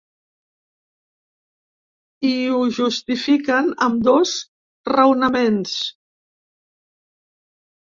Hi ho justifiquen amb dos raonaments.